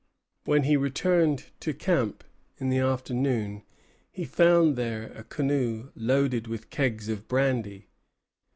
When he returned to camp in the afternoon he found there a canoe loaded with kegs of brandy.